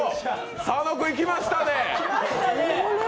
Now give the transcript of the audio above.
、佐野君いきましたね。